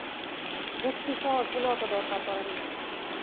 ভক্তি সহজ হলে অত দরকার করে না।